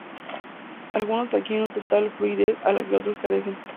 Algunos adquieren una total fluidez de la que otros carecen.